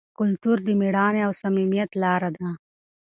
کلتور د مېړانې او صمیمیت لاره ده.